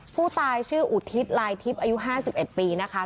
ผู้ตายชื่ออุทิศลายทิพย์อายุ๕๑ปีนะคะ